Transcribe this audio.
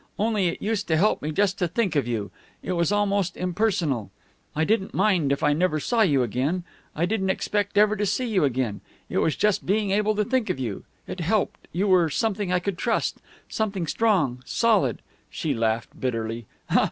Only it used to help me just to think of you. It was almost impersonal. I didn't mind if I never saw you again. I didn't expect ever to see you again. It was just being able to think of you. It helped you were something I could trust. Something strong solid." She laughed bitterly.